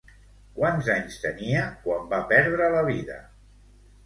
Quants anys tenia quan va perdre la vida?